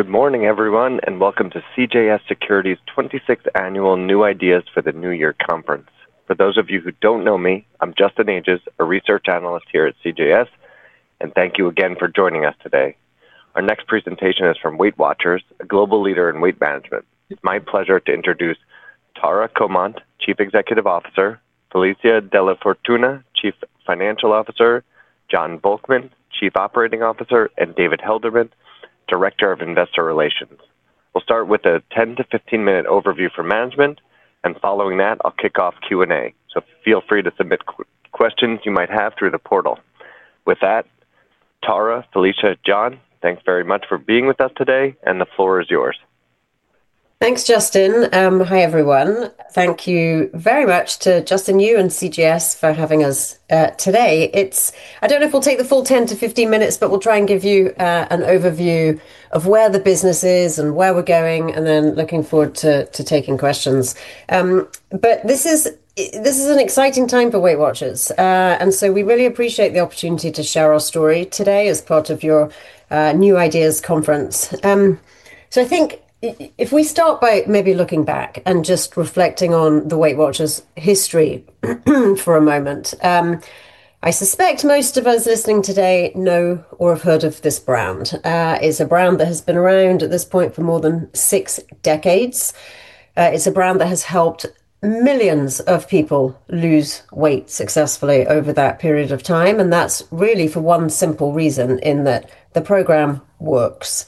Good morning, everyone, and welcome to CJS Securities' 26th Annual New Ideas for the New Year Conference. For those of you who don't know me, I'm Justin Ages, a research analyst here at CJS, and thank you again for joining us today. Our next presentation is from Weight Watchers, a global leader in weight management. It's my pleasure to introduce Tara Comonte, Chief Executive Officer, Felicia DellaFortuna, Chief Financial Officer, Jon Volkmann, Chief Operating Officer, and David Helderman, Director of Investor Relations. We'll start with a 10- to 15-minute overview for management, and following that, I'll kick off Q&A, so feel free to submit questions you might have through the portal. With that, Tara, Felicia, Jon, thanks very much for being with us today, and the floor is yours. Thanks, Justin. Hi, everyone. Thank you very much to Justin, you, and CJS for having us today. I don't know if we'll take the full 10-15 minutes, but we'll try and give you an overview of where the business is and where we're going, and then looking forward to taking questions. But this is an exciting time for Weight Watchers, and so we really appreciate the opportunity to share our story today as part of your New Ideas Conference. So I think if we start by maybe looking back and just reflecting on the Weight Watchers history for a moment, I suspect most of us listening today know or have heard of this brand. It's a brand that has been around, at this point, for more than six decades. It's a brand that has helped millions of people lose weight successfully over that period of time, and that's really for one simple reason: in that the program works.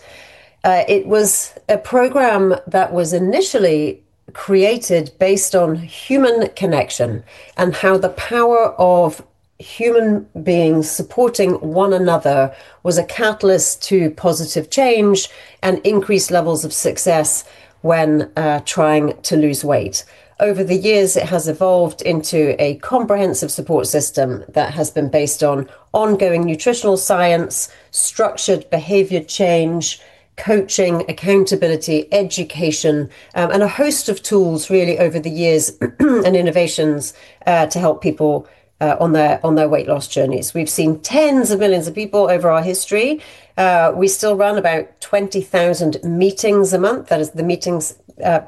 It was a program that was initially created based on human connection and how the power of human beings supporting one another was a catalyst to positive change and increased levels of success when trying to lose weight. Over the years, it has evolved into a comprehensive support system that has been based on ongoing nutritional science, structured behavior change, coaching, accountability, education, and a host of tools, really, over the years and innovations to help people on their weight loss journeys. We've seen tens of millions of people over our history. We still run about 20,000 meetings a month. That is, the meetings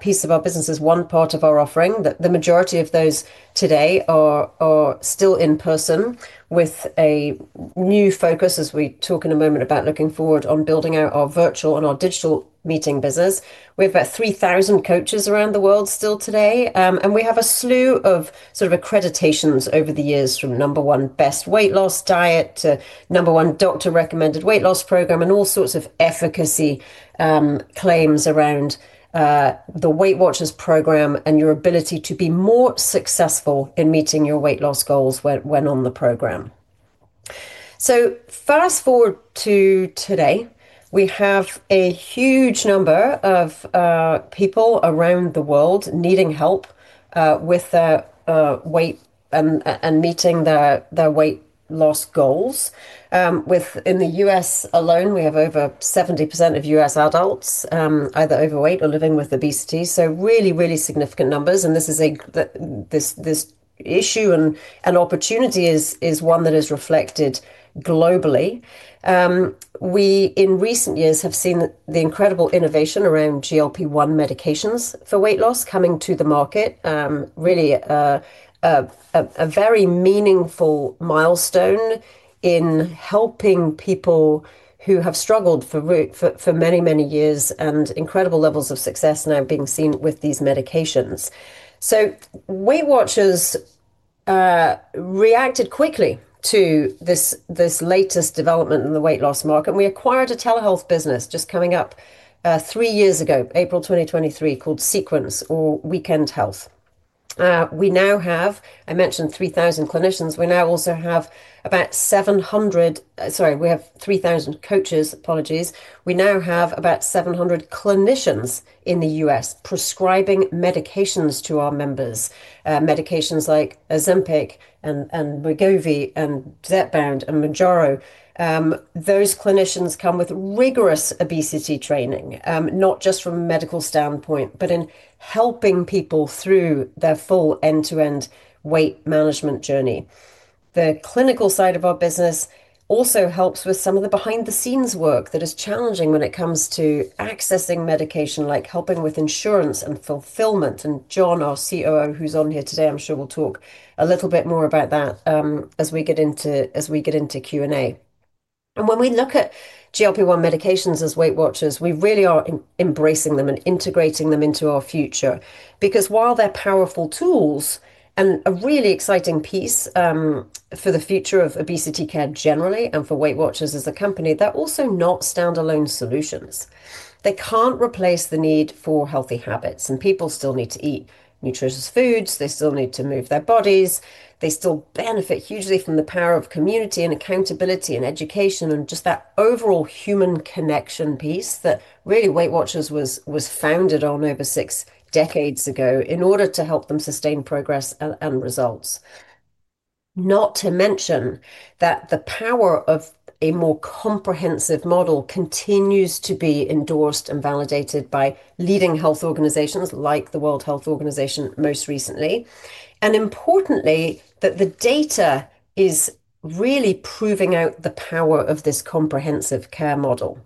piece of our business is one part of our offering. The majority of those today are still in person, with a new focus, as we talk in a moment about looking forward, on building out our virtual and our digital meeting business. We have about 3,000 coaches around the world still today, and we have a slew of sort of accreditations over the years, from number one best weight loss diet to number one doctor-recommended weight loss program, and all sorts of efficacy claims around the Weight Watchers program and your ability to be more successful in meeting your weight loss goals when on the program. So fast forward to today, we have a huge number of people around the world needing help with their weight and meeting their weight loss goals. In the U.S. alone, we have over 70% of U.S. adults either overweight or living with obesity, so really, really significant numbers. This issue and opportunity is one that is reflected globally. We, in recent years, have seen the incredible innovation around GLP-1 medications for weight loss coming to the market, really a very meaningful milestone in helping people who have struggled for many, many years and incredible levels of success now being seen with these medications. Weight Watchers reacted quickly to this latest development in the weight loss market. We acquired a telehealth business just coming up three years ago, April 2023, called Sequence, or Weekend Health. We now have, I mentioned, 3,000 clinicians. We now also have about 700—sorry, we have 3,000 coaches, apologies. We now have about 700 clinicians in the U.S. prescribing medications to our members, medications like Ozempic and Wegovy and Zepbound and Mounjaro. Those clinicians come with rigorous obesity training, not just from a medical standpoint, but in helping people through their full end-to-end weight management journey. The clinical side of our business also helps with some of the behind-the-scenes work that is challenging when it comes to accessing medication, like helping with insurance and fulfillment. And Jon, our COO, who's on here today, I'm sure we'll talk a little bit more about that as we get into Q&A. And when we look at GLP-1 medications as Weight Watchers, we really are embracing them and integrating them into our future because while they're powerful tools and a really exciting piece for the future of obesity care generally and for Weight Watchers as a company, they're also not standalone solutions. They can't replace the need for healthy habits, and people still need to eat nutritious foods. They still need to move their bodies. They still benefit hugely from the power of community and accountability and education and just that overall human connection piece that really Weight Watchers was founded on over six decades ago in order to help them sustain progress and results. Not to mention that the power of a more comprehensive model continues to be endorsed and validated by leading health organizations like the World Health Organization most recently, and importantly, that the data is really proving out the power of this comprehensive care model.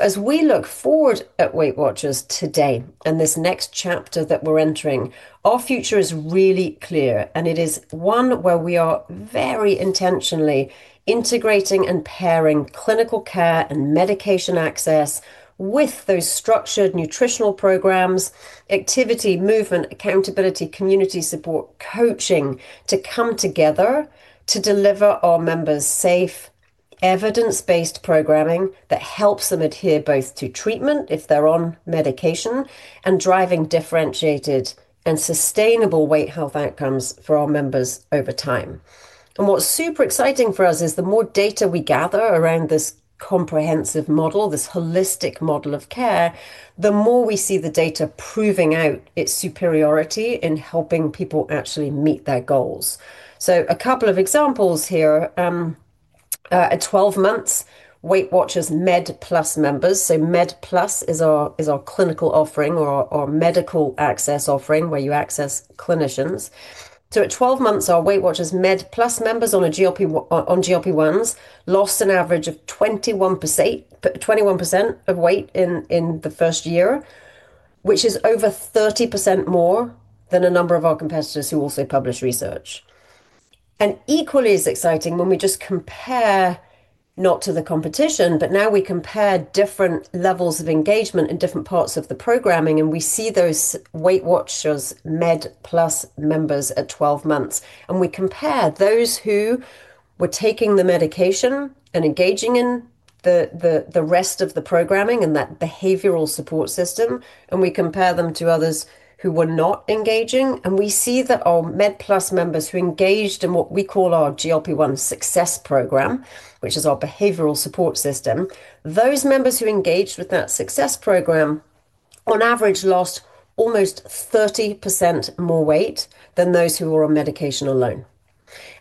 As we look forward at Weight Watchers today and this next chapter that we're entering, our future is really clear, and it is one where we are very intentionally integrating and pairing clinical care and medication access with those structured nutritional programs, activity, movement, accountability, community support, coaching to come together to deliver our members safe, evidence-based programming that helps them adhere both to treatment if they're on medication and driving differentiated and sustainable weight health outcomes for our members over time. What's super exciting for us is the more data we gather around this comprehensive model, this holistic model of care, the more we see the data proving out its superiority in helping people actually meet their goals. A couple of examples here. At 12 months, Weight Watchers Med Plus members, so Med Plus is our clinical offering or our medical access offering where you access clinicians. So at 12 months, our Weight Watchers Med Plus members on GLP-1s lost an average of 21% of weight in the first year, which is over 30% more than a number of our competitors who also publish research. And equally as exciting, when we just compare, not to the competition, but now we compare different levels of engagement in different parts of the programming, and we see those Weight Watchers Med Plus members at 12 months. And we compare those who were taking the medication and engaging in the rest of the programming and that behavioral support system, and we compare them to others who were not engaging. And we see that our Med Plus members who engaged in what we call our GLP-1 Success Program, which is our behavioral support system, those members who engaged with that Success Program, on average, lost almost 30% more weight than those who were on medication alone.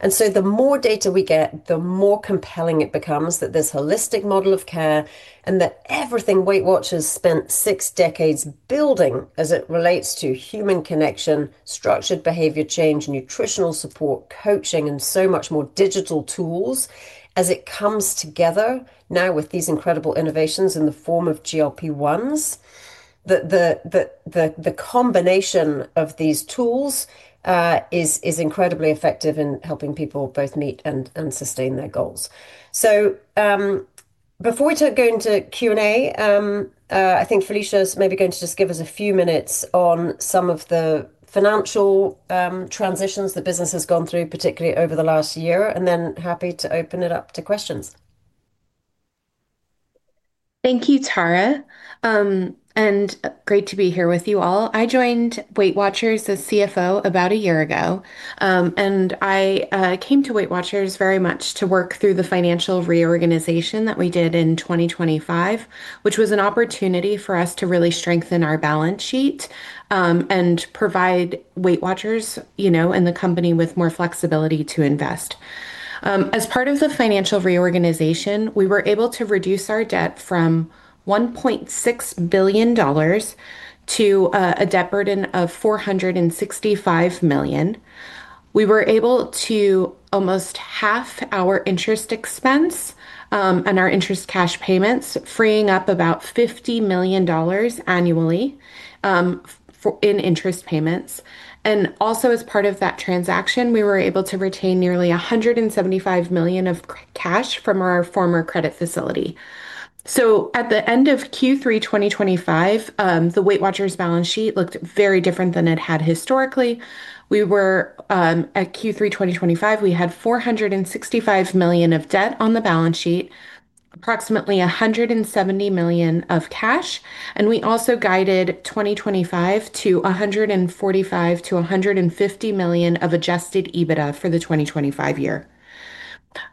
And so the more data we get, the more compelling it becomes that this holistic model of care and that everything Weight Watchers spent six decades building as it relates to human connection, structured behavior change, nutritional support, coaching, and so much more digital tools, as it comes together now with these incredible innovations in the form of GLP-1s, that the combination of these tools is incredibly effective in helping people both meet and sustain their goals. So before we go into Q&A, I think Felicia's maybe going to just give us a few minutes on some of the financial transitions the business has gone through, particularly over the last year, and then happy to open it up to questions. Thank you, Tara, and great to be here with you all. I joined Weight Watchers as CFO about a year ago, and I came to Weight Watchers very much to work through the financial reorganization that we did in 2025, which was an opportunity for us to really strengthen our balance sheet and provide Weight Watchers and the company with more flexibility to invest. As part of the financial reorganization, we were able to reduce our debt from $1.6 billion to a debt burden of $465 million. We were able to almost half our interest expense and our interest cash payments, freeing up about $50 million annually in interest payments, and also, as part of that transaction, we were able to retain nearly $175 million of cash from our former credit facility. At the end of Q3 2025, the Weight Watchers balance sheet looked very different than it had historically. At Q3 2025, we had $465 million of debt on the balance sheet, approximately $170 million of cash, and we also guided 2025 to $145-$150 million of Adjusted EBITDA for the 2025 year.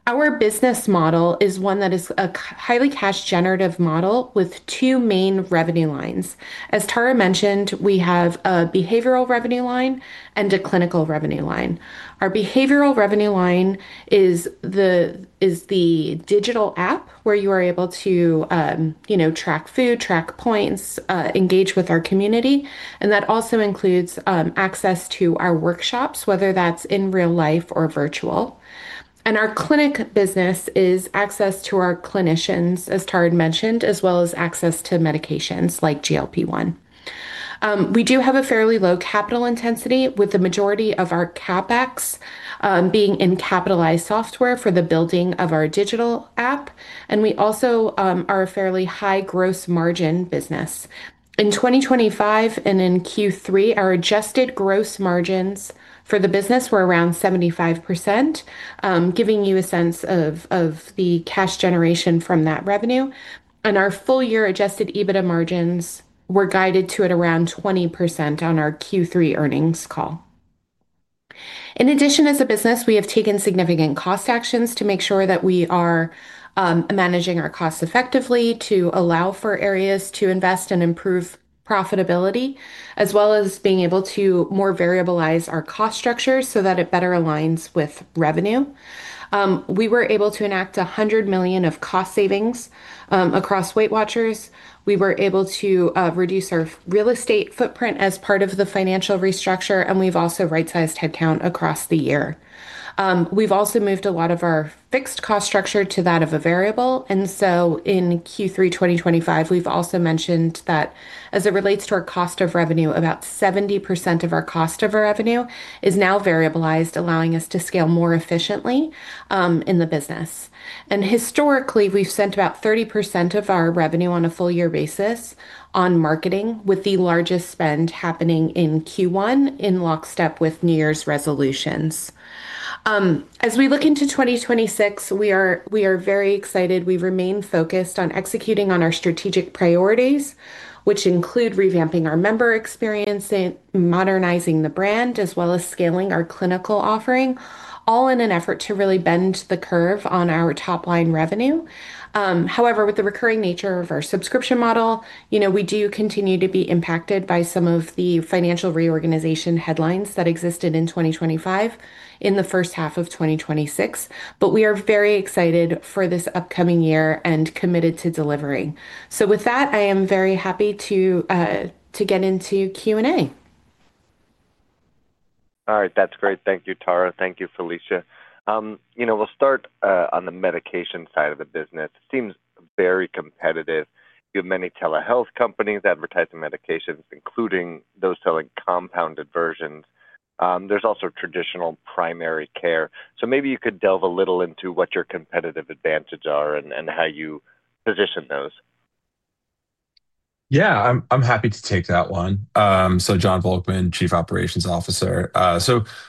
Our business model is one that is a highly cash-generative model with two main revenue lines. As Tara mentioned, we have a behavioral revenue line and a clinical revenue line. Our behavioral revenue line is the digital app where you are able to track food, track points, engage with our community, and that also includes access to our workshops, whether that's in real life or virtual. And our clinic business is access to our clinicians, as Tara mentioned, as well as access to medications like GLP-1. We do have a fairly low capital intensity, with the majority of our CapEx being in capitalized software for the building of our digital app, and we also are a fairly high gross margin business. In 2025 and in Q3, our adjusted gross margins for the business were around 75%, giving you a sense of the cash generation from that revenue, and our full-year adjusted EBITDA margins were guided to at around 20% on our Q3 earnings call. In addition, as a business, we have taken significant cost actions to make sure that we are managing our costs effectively to allow for areas to invest and improve profitability, as well as being able to more variabilize our cost structure so that it better aligns with revenue. We were able to enact $100 million of cost savings across Weight Watchers. We were able to reduce our real estate footprint as part of the financial restructure, and we've also right-sized headcount across the year. We've also moved a lot of our fixed cost structure to that of a variable, and so in Q3 2025, we've also mentioned that as it relates to our cost of revenue, about 70% of our cost of revenue is now variabilized, allowing us to scale more efficiently in the business. And historically, we've spent about 30% of our revenue on a full-year basis on marketing, with the largest spend happening in Q1 in lockstep with New Year's resolutions. As we look into 2026, we are very excited. We remain focused on executing on our strategic priorities, which include revamping our member experience, modernizing the brand, as well as scaling our clinical offering, all in an effort to really bend the curve on our top-line revenue. However, with the recurring nature of our subscription model, we do continue to be impacted by some of the financial reorganization headlines that existed in 2025 in the first half of 2026, but we are very excited for this upcoming year and committed to delivering. So with that, I am very happy to get into Q&A. All right. That's great. Thank you, Tara. Thank you, Felicia. We'll start on the medication side of the business. It seems very competitive. You have many telehealth companies advertising medications, including those selling compounded versions. There's also traditional primary care. So maybe you could delve a little into what your competitive advantages are and how you position those. Yeah, I'm happy to take that one. So Jon Volkmann, Chief Operating Officer.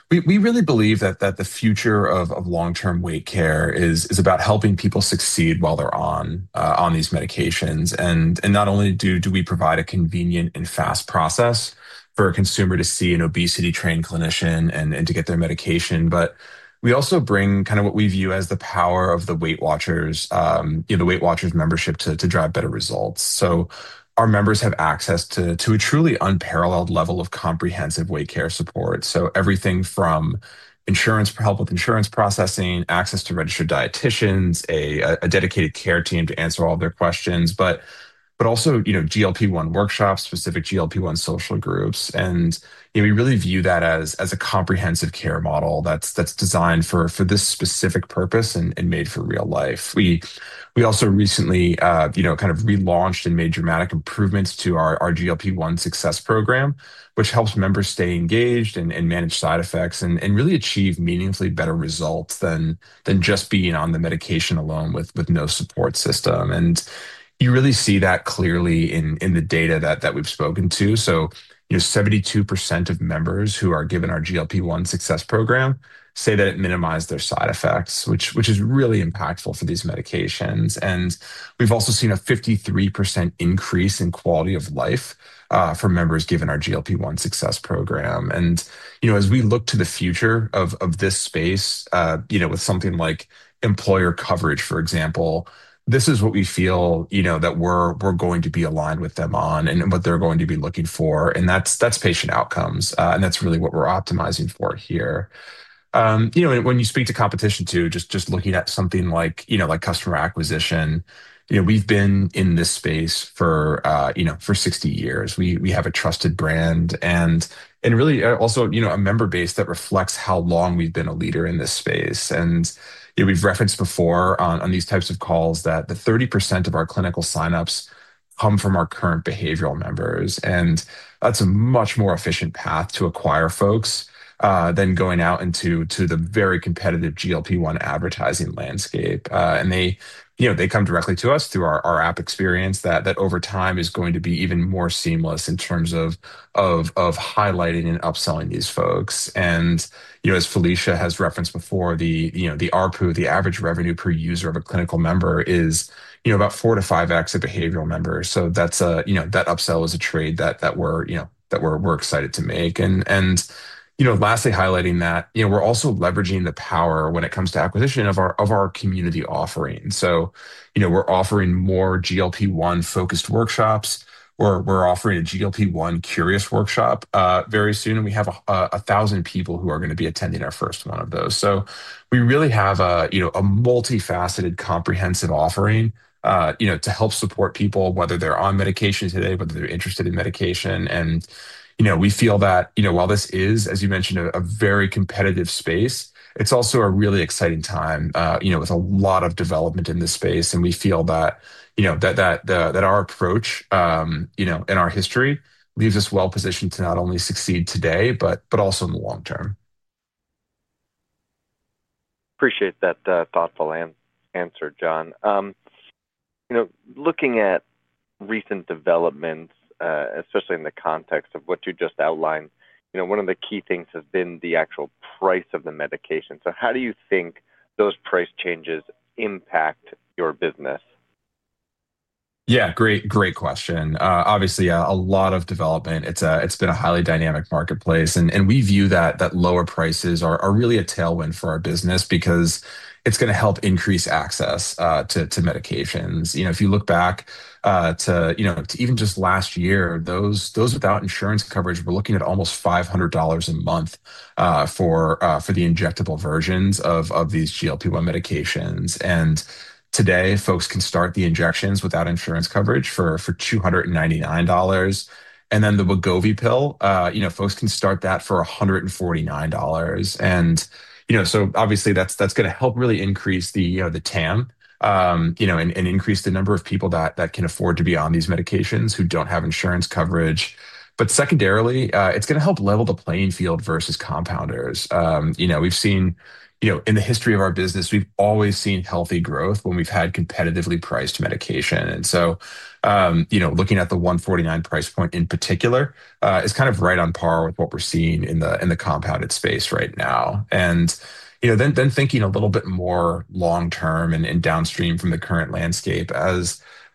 We really believe that the future of long-term weight care is about helping people succeed while they're on these medications. And not only do we provide a convenient and fast process for a consumer to see an obesity-trained clinician and to get their medication, but we also bring kind of what we view as the power of the Weight Watchers, the Weight Watchers membership, to drive better results. So our members have access to a truly unparalleled level of comprehensive weight care support. So everything from help with insurance processing, access to registered dietitians, a dedicated care team to answer all of their questions, but also GLP-1 workshops, specific GLP-1 social groups. And we really view that as a comprehensive care model that's designed for this specific purpose and made for real life. We also recently kind of relaunched and made dramatic improvements to our GLP-1 Success Program, which helps members stay engaged and manage side effects and really achieve meaningfully better results than just being on the medication alone with no support system, and you really see that clearly in the data that we've spoken to, so 72% of members who are given our GLP-1 Success Program say that it minimized their side effects, which is really impactful for these medications. And we've also seen a 53% increase in quality of life for members given our GLP-1 Success Program. As we look to the future of this space with something like employer coverage, for example, this is what we feel that we're going to be aligned with them on and what they're going to be looking for, and that's patient outcomes, and that's really what we're optimizing for here. When you speak to competition, too, just looking at something like customer acquisition, we've been in this space for 60 years. We have a trusted brand and really also a member base that reflects how long we've been a leader in this space. We've referenced before on these types of calls that 30% of our clinical signups come from our current behavioral members. That's a much more efficient path to acquire folks than going out into the very competitive GLP-1 advertising landscape. They come directly to us through our app experience that over time is going to be even more seamless in terms of highlighting and upselling these folks. As Felicia has referenced before, the ARPU, the average revenue per user of a clinical member, is about four to five X a behavioral member. That upsell is a trade that we're excited to make. And lastly, highlighting that we're also leveraging the power when it comes to acquisition of our community offering. So we're offering more GLP-1 focused workshops. We're offering a GLP-1 curious workshop very soon. We have 1,000 people who are going to be attending our first one of those. So we really have a multifaceted comprehensive offering to help support people, whether they're on medication today, whether they're interested in medication. And we feel that while this is, as you mentioned, a very competitive space, it's also a really exciting time with a lot of development in this space. And we feel that our approach and our history leaves us well-positioned to not only succeed today, but also in the long term. Appreciate that thoughtful answer, Jon. Looking at recent developments, especially in the context of what you just outlined, one of the key things has been the actual price of the medication. So how do you think those price changes impact your business? Yeah, great question. Obviously, a lot of development. It's been a highly dynamic marketplace. And we view that lower prices are really a tailwind for our business because it's going to help increase access to medications. If you look back to even just last year, those without insurance coverage, we're looking at almost $500 a month for the injectable versions of these GLP-1 medications. And today, folks can start the injections without insurance coverage for $299. And then the Wegovy pill, folks can start that for $149. And so obviously, that's going to help really increase the TAM and increase the number of people that can afford to be on these medications who don't have insurance coverage. But secondarily, it's going to help level the playing field versus compounders. We've seen in the history of our business, we've always seen healthy growth when we've had competitively priced medication. And so looking at the $149 price point in particular is kind of right on par with what we're seeing in the compounded space right now. And then thinking a little bit more long-term and downstream from the current landscape,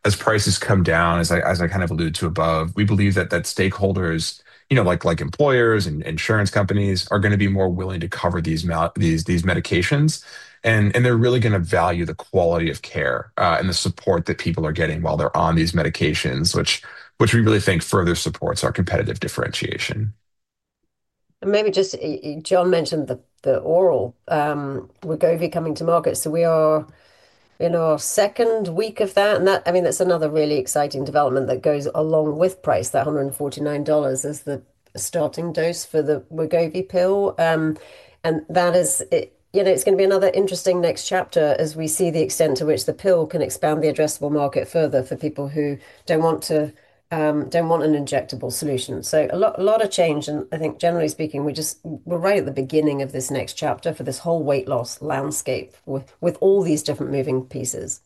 as prices come down, as I kind of alluded to above, we believe that stakeholders like employers and insurance companies are going to be more willing to cover these medications. And they're really going to value the quality of care and the support that people are getting while they're on these medications, which we really think further supports our competitive differentiation. Maybe just Jon mentioned the oral Wegovy coming to market. So we are in our second week of that. And I mean, that's another really exciting development that goes along with price. That $149 is the starting dose for the Wegovy pill. And it's going to be another interesting next chapter as we see the extent to which the pill can expand the addressable market further for people who don't want an injectable solution. So a lot of change. And I think, generally speaking, we're right at the beginning of this next chapter for this whole weight loss landscape with all these different moving pieces.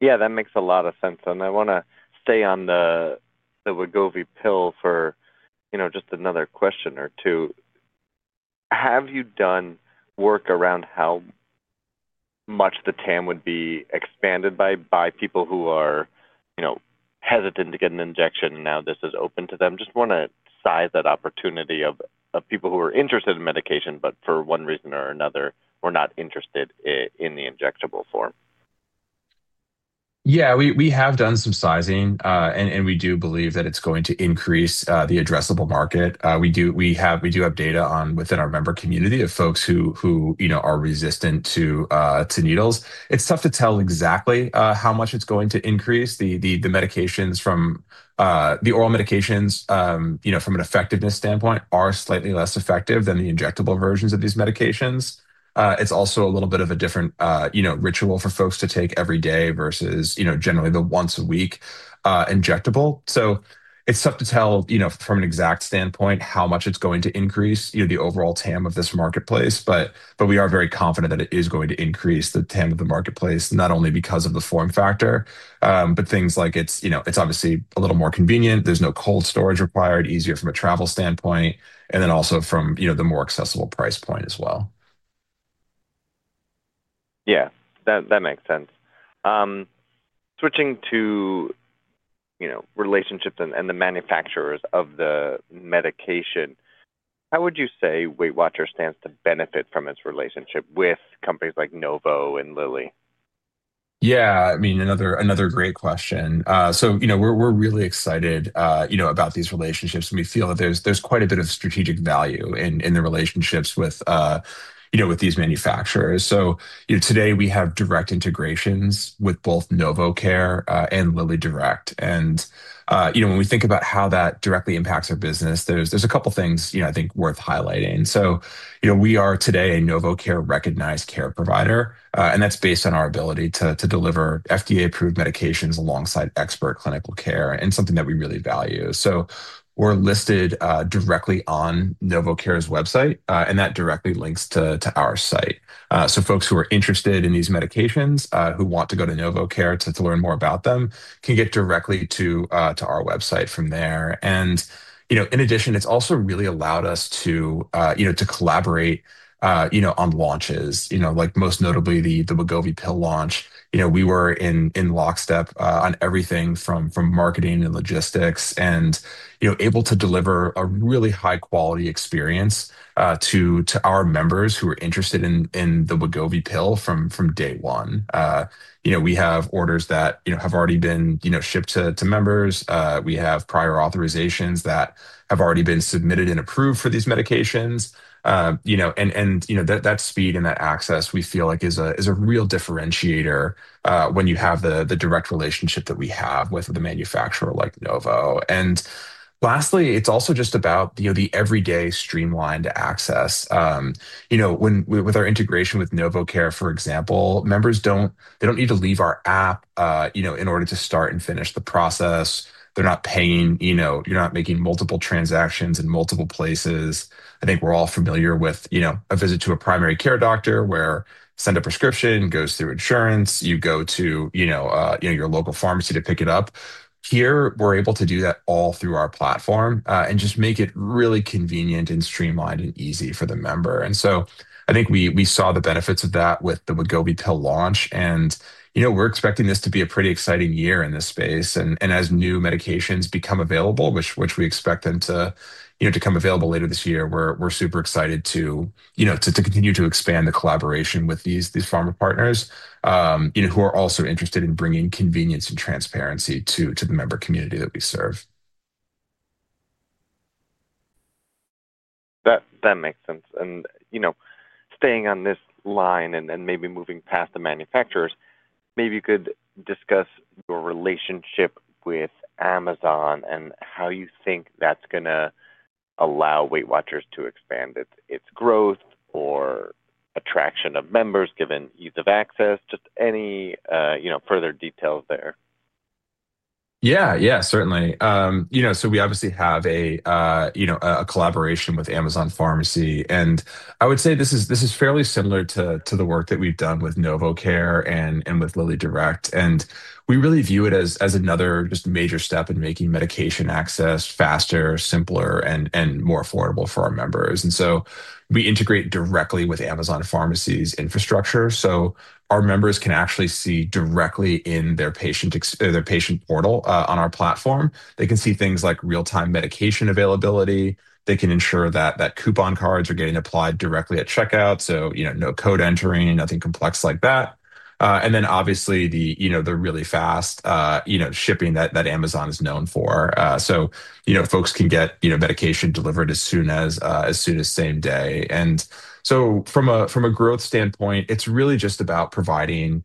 Yeah, that makes a lot of sense, and I want to stay on the Wegovy pill for just another question or two. Have you done work around how much the TAM would be expanded by people who are hesitant to get an injection and now this is open to them? Just want to size that opportunity of people who are interested in medication, but for one reason or another, were not interested in the injectable form. Yeah, we have done some sizing, and we do believe that it's going to increase the addressable market. We do have data within our member community of folks who are resistant to needles. It's tough to tell exactly how much it's going to increase. The oral medications, from an effectiveness standpoint, are slightly less effective than the injectable versions of these medications. It's also a little bit of a different ritual for folks to take every day versus generally the once-a-week injectable. So it's tough to tell from an exact standpoint how much it's going to increase the overall TAM of this marketplace. But we are very confident that it is going to increase the TAM of the marketplace, not only because of the form factor, but things like it's obviously a little more convenient. There's no cold storage required, easier from a travel standpoint, and then also from the more accessible price point as well. Yeah, that makes sense. Switching to relationships and the manufacturers of the medication, how would you say Weight Watchers stands to benefit from its relationship with companies like Novo and Lilly? Yeah, I mean, another great question. So we're really excited about these relationships, and we feel that there's quite a bit of strategic value in the relationships with these manufacturers. So today, we have direct integrations with both NovoCare and LillyDirect. And when we think about how that directly impacts our business, there's a couple of things I think worth highlighting. So we are today a NovoCare-recognized care provider, and that's based on our ability to deliver FDA-approved medications alongside expert clinical care and something that we really value. So we're listed directly on NovoCare's website, and that directly links to our site. So folks who are interested in these medications, who want to go to NovoCare to learn more about them, can get directly to our website from there. And in addition, it's also really allowed us to collaborate on launches, like most notably the Wegovy pill launch. We were in lockstep on everything from marketing and logistics, and able to deliver a really high-quality experience to our members who are interested in the Wegovy pill from day one. We have orders that have already been shipped to members. We have prior authorizations that have already been submitted and approved for these medications. And that speed and that access, we feel like, is a real differentiator when you have the direct relationship that we have with a manufacturer like Novo. And lastly, it's also just about the everyday streamlined access. With our integration with NovoCare, for example, members don't need to leave our app in order to start and finish the process. They're not paying. You're not making multiple transactions in multiple places. I think we're all familiar with a visit to a primary care doctor where you send a prescription, goes through insurance, you go to your local pharmacy to pick it up. Here, we're able to do that all through our platform and just make it really convenient and streamlined and easy for the member. And so I think we saw the benefits of that with the Wegovy pill launch. And we're expecting this to be a pretty exciting year in this space. And as new medications become available, which we expect them to come available later this year, we're super excited to continue to expand the collaboration with these pharma partners who are also interested in bringing convenience and transparency to the member community that we serve. That makes sense. And staying on this line and maybe moving past the manufacturers, maybe you could discuss your relationship with Amazon and how you think that's going to allow Weight Watchers to expand its growth or attraction of members given ease of access, just any further details there. Yeah, yeah, certainly, so we obviously have a collaboration with Amazon Pharmacy, and I would say this is fairly similar to the work that we've done with NovoCare and with LillyDirect, and we really view it as another just major step in making medication access faster, simpler, and more affordable for our members, and so we integrate directly with Amazon Pharmacy's infrastructure, so our members can actually see directly in their patient portal on our platform. They can see things like real-time medication availability. They can ensure that coupon cards are getting applied directly at checkout, so no code entering, nothing complex like that, and then obviously, the really fast shipping that Amazon is known for, so folks can get medication delivered as soon as same day. From a growth standpoint, it's really just about providing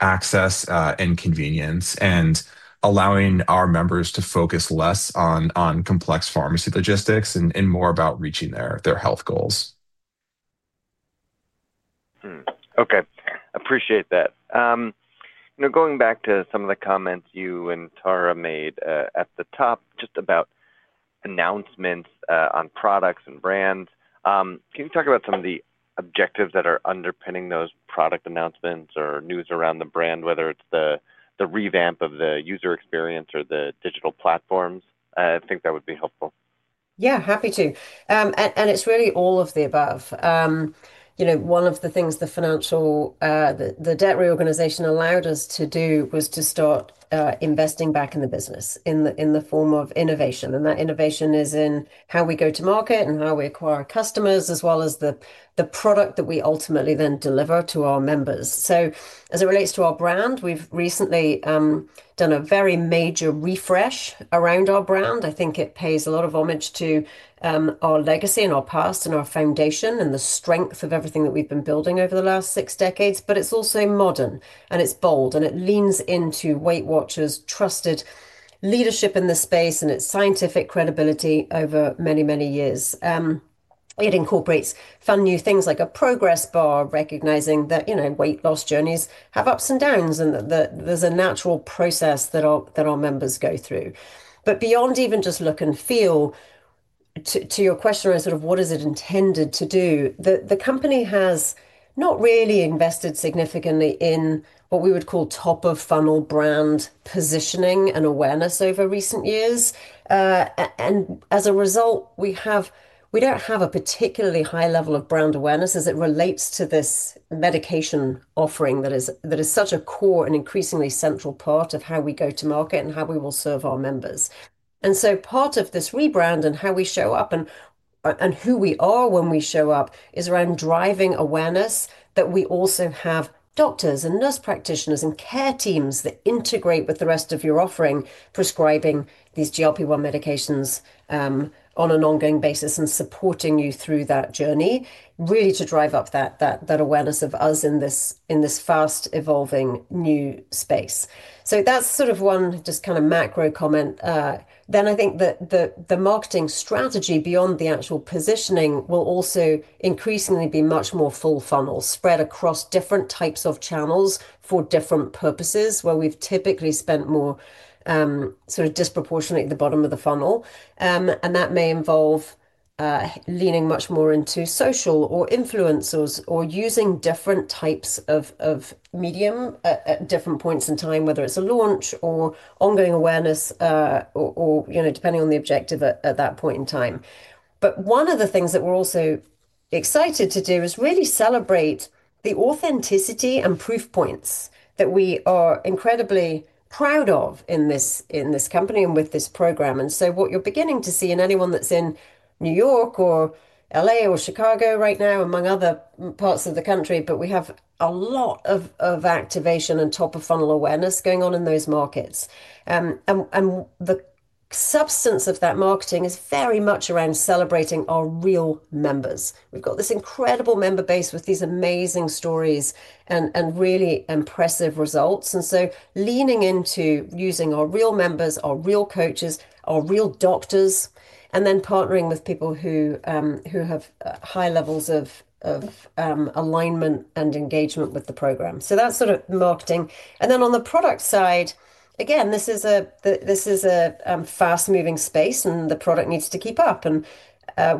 access and convenience and allowing our members to focus less on complex pharmacy logistics and more about reaching their health goals. Okay, appreciate that. Going back to some of the comments you and Tara made at the top just about announcements on products and brands, can you talk about some of the objectives that are underpinning those product announcements or news around the brand, whether it's the revamp of the user experience or the digital platforms? I think that would be helpful. Yeah, happy to. And it's really all of the above. One of the things the debt reorganization allowed us to do was to start investing back in the business in the form of innovation. And that innovation is in how we go to market and how we acquire customers as well as the product that we ultimately then deliver to our members. So as it relates to our brand, we've recently done a very major refresh around our brand. I think it pays a lot of homage to our legacy and our past and our foundation and the strength of everything that we've been building over the last six decades. But it's also modern, and it's bold, and it leans into Weight Watchers' trusted leadership in this space and its scientific credibility over many, many years. It incorporates fun new things like a progress bar, recognizing that weight loss journeys have ups and downs and that there's a natural process that our members go through. But beyond even just look and feel, to your question around sort of what is it intended to do, the company has not really invested significantly in what we would call top-of-funnel brand positioning and awareness over recent years. And as a result, we don't have a particularly high level of brand awareness as it relates to this medication offering that is such a core and increasingly central part of how we go to market and how we will serve our members. And so part of this rebrand and how we show up and who we are when we show up is around driving awareness that we also have doctors and nurse practitioners and care teams that integrate with the rest of your offering, prescribing these GLP-1 medications on an ongoing basis and supporting you through that journey, really to drive up that awareness of us in this fast-evolving new space. So that's sort of one just kind of macro comment. Then I think that the marketing strategy beyond the actual positioning will also increasingly be much more full-funnel, spread across different types of channels for different purposes, where we've typically spent more sort of disproportionately at the bottom of the funnel. And that may involve leaning much more into social or influencers or using different types of medium at different points in time, whether it's a launch or ongoing awareness or depending on the objective at that point in time. But one of the things that we're also excited to do is really celebrate the authenticity and proof points that we are incredibly proud of in this company and with this program. And so what you're beginning to see in anyone that's in New York or L.A. or Chicago right now, among other parts of the country, but we have a lot of activation and top-of-funnel awareness going on in those markets. And the substance of that marketing is very much around celebrating our real members. We've got this incredible member base with these amazing stories and really impressive results. And so leaning into using our real members, our real coaches, our real doctors, and then partnering with people who have high levels of alignment and engagement with the program. So that's sort of marketing. And then on the product side, again, this is a fast-moving space, and the product needs to keep up. And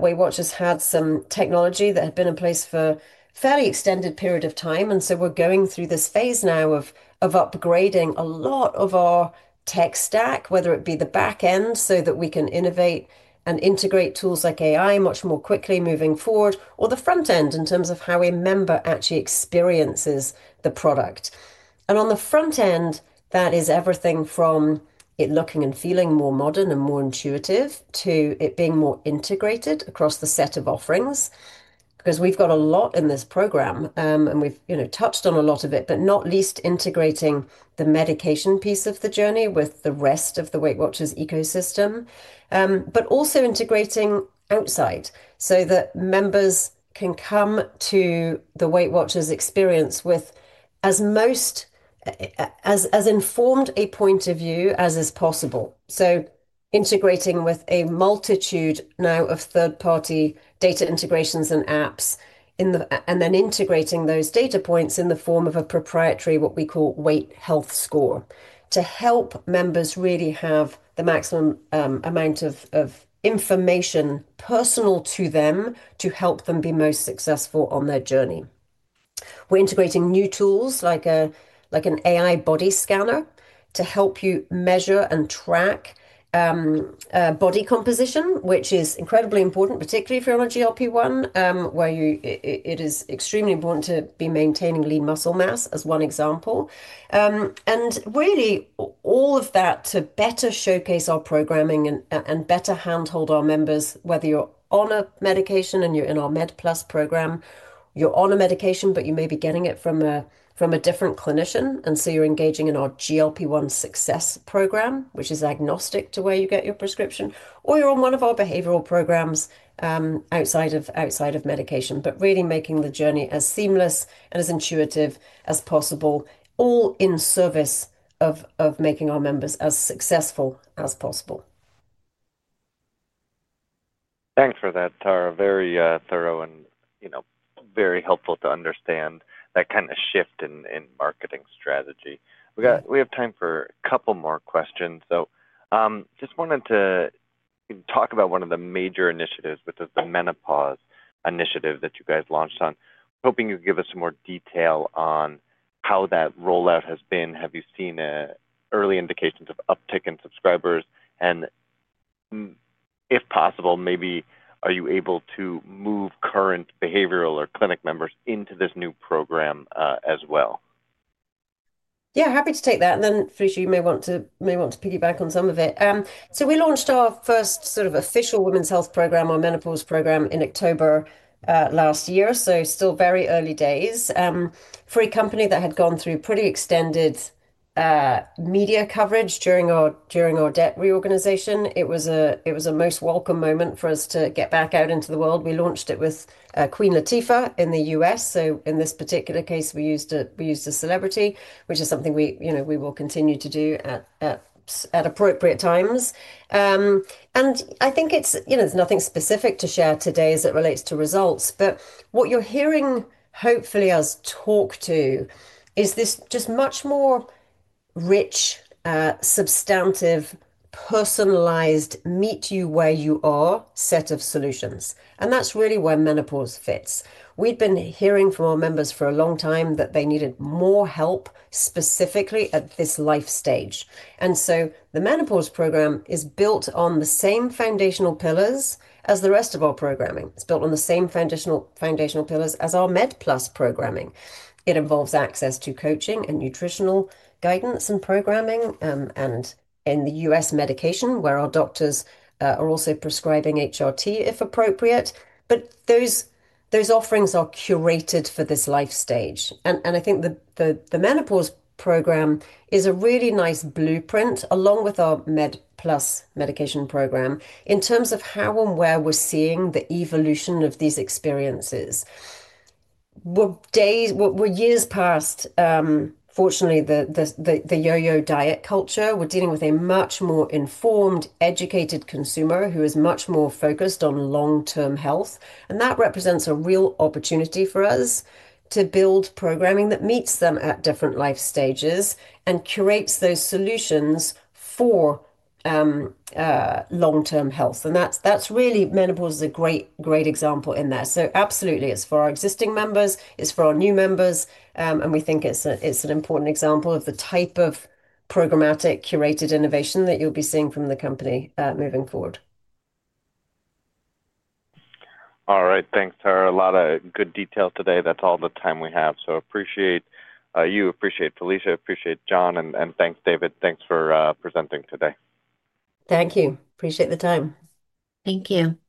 Weight Watchers had some technology that had been in place for a fairly extended period of time. And so we're going through this phase now of upgrading a lot of our tech stack, whether it be the back end so that we can innovate and integrate tools like AI much more quickly moving forward, or the front end in terms of how a member actually experiences the product. And on the front end, that is everything from it looking and feeling more modern and more intuitive to it being more integrated across the set of offerings. Because we've got a lot in this program, and we've touched on a lot of it, but not least integrating the medication piece of the journey with the rest of the Weight Watchers ecosystem, but also integrating outside so that members can come to the Weight Watchers experience with as informed a point of view as is possible. So integrating with a multitude now of third-party data integrations and apps, and then integrating those data points in the form of a proprietary, what we call, WeightHealth Score to help members really have the maximum amount of information personal to them to help them be most successful on their journey. We're integrating new tools like an AI body scanner to help you measure and track body composition, which is incredibly important, particularly if you're on a GLP-1, where it is extremely important to be maintaining lean muscle mass as one example, and really, all of that to better showcase our programming and better handhold our members, whether you're on a medication and you're in our Med Plus program, you're on a medication, but you may be getting it from a different clinician, and so you're engaging in our GLP-1 Success Program, which is agnostic to where you get your prescription, or you're on one of our behavioral programs outside of medication, but really making the journey as seamless and as intuitive as possible, all in service of making our members as successful as possible. Thanks for that, Tara. Very thorough and very helpful to understand that kind of shift in marketing strategy. We have time for a couple more questions. So just wanted to talk about one of the major initiatives, which is the menopause initiative that you guys launched on. Hoping you can give us some more detail on how that rollout has been. Have you seen early indications of uptick in subscribers? And if possible, maybe, are you able to move current behavioral or clinic members into this new program as well? Yeah, happy to take that, and then, Felicia, you may want to piggyback on some of it, so we launched our first sort of official women's health program, our menopause program, in October last year, so still very early days. For a company that had gone through pretty extended media coverage during our debt reorganization, it was a most welcome moment for us to get back out into the world. We launched it with Queen Latifah in the U.S., so in this particular case, we used a celebrity, which is something we will continue to do at appropriate times, and I think there's nothing specific to share today as it relates to results, but what you're hearing, hopefully, us talk to is this just much more rich, substantive, personalized, meet-you-where-you-are set of solutions, and that's really where menopause fits. We've been hearing from our members for a long time that they needed more help specifically at this life stage. And so the Menopause Program is built on the same foundational pillars as the rest of our programming. It's built on the same foundational pillars as our Med Plus programming. It involves access to coaching and nutritional guidance and programming and in the U.S. medication, where our doctors are also prescribing HRT if appropriate. But those offerings are curated for this life stage. And I think the Menopause Program is a really nice blueprint along with our Med Plus medication program in terms of how and where we're seeing the evolution of these experiences. We're years past, fortunately, the yo-yo diet culture, we're dealing with a much more informed, educated consumer who is much more focused on long-term health. And that represents a real opportunity for us to build programming that meets them at different life stages and curates those solutions for long-term health. And that's really, menopause is a great, great example in there. So absolutely, it's for our existing members. It's for our new members. And we think it's an important example of the type of programmatic curated innovation that you'll be seeing from the company moving forward. All right, thanks, Tara. A lot of good detail today. That's all the time we have. So appreciate you, appreciate Felicia, appreciate Jon, and thanks, David. Thanks for presenting today. Thank you. Appreciate the time. Thank you. Thanks.